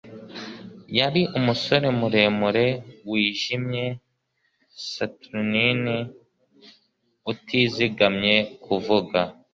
Yari umusore muremure, wijimye, saturnine, utizigamye kuvuga